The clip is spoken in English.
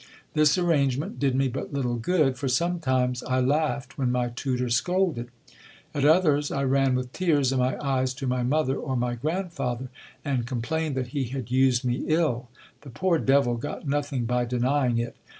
This arrangement did me but little good ; for sometimes I laughed when my tutor scolded : at others, I ran with tears in my eyes to my mother or my grandfather, and complain ed that he had used me ill. The poor devil got nothing by denying it.